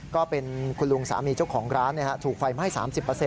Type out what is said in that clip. ก็เป็นคุณลุงสามีเจ้าของร้านถูกไฟไหม้๓๐